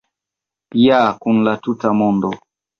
Ja kun la tuta mondo!